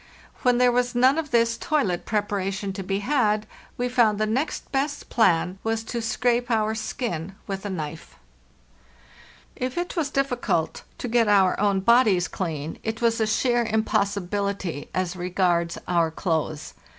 When there was none of this toilet preparation to be had, we found the next best plan was to scrape our skin with a knife. If it was difficult to get our own bodies clean, it was THE NEW YEAR, 1896 463 a sheer impossibility as regards our clothes.